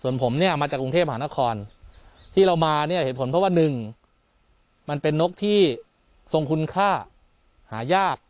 ส่วนผมเนี่ยมาจากกรุงเทพหานครที่เรามาเนี่ยเหตุผลเพราะว่าหนึ่งมันเป็นนกที่ทรงคุณค่าหายาก